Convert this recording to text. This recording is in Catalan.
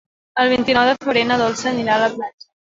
El vint-i-nou de febrer na Dolça anirà a la platja.